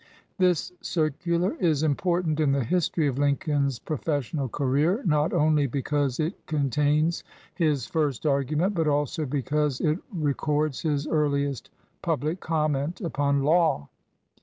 This circular is important in the history of Lincoln's professional career not only because it contains his first argument, but also because it records his earliest public comment upon law.